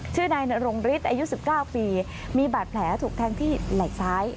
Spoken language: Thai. ชื่อนายนรงฤทธิ์อายุ๑๙ปีมีบาดแผลถูกแทงที่ไหล่ซ้าย